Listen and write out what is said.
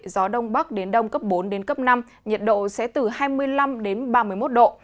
gió đông bắc đến đông cấp bốn năm nhiệt độ sẽ từ hai mươi năm ba mươi một độ